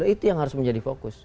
itu yang harus menjadi fokus